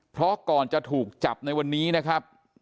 เพราะก่อนจะถูกจับในวันนี้นะครับ